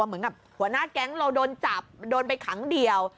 เหมือนกับหัวหน้าแก๊งเราโดนจับโดนไปขังเดียว